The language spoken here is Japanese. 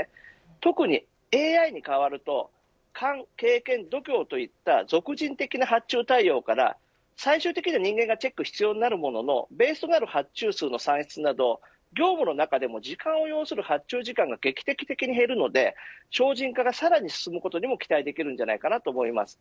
特にＡＩに変わると勘、経験、度胸といった属人的な発注対応から最終的には人間のチェックが必要になるもののベースとなる発注の算出など業務の中でも時間を要する発注時間が劇的に減るので省人化がさらに進むことも期待できます。